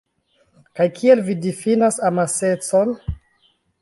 Kaj kiel vi difinas amasecon?